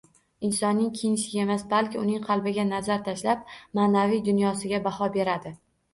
Insonning kiyinishiga emas, balki uning qalbiga nazar tashlab, maʼnaviy dunyosiga baho beradi.